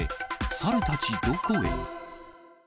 サルたちどこへ？